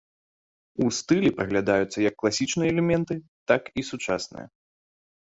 У стылі праглядаюцца як класічныя элементы, так і сучасныя.